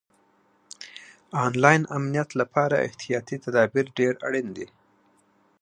آنلاین امنیت لپاره احتیاطي تدابیر ډېر اړین دي.